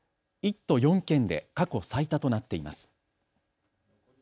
１都４県で過去最多となっています。